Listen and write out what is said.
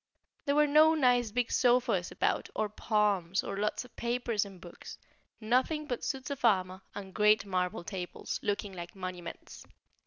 There were no nice big sofas about, or palms, or lots of papers and books; nothing but suits of armour and great marble tables, looking like monuments.